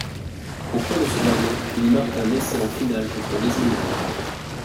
Au cours de ce dernier, il y marque un essai en finale contre Lézignan.